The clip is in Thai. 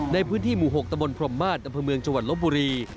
ในพื้นที่หมู่หกตระวนพรหมาสอำนาบพระเมืองจวนลบบุรี